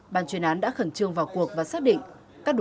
ban chuyên án đã khẩn trương vào cuộc và xác định